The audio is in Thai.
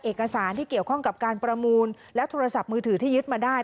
เอกสารที่เกี่ยวข้องกับการประมูลและโทรศัพท์มือถือที่ยึดมาได้